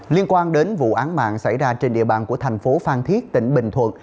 liên quan đến vụ án mạng xảy ra trên địa bàn của thành phố phan thiết tỉnh bình thuận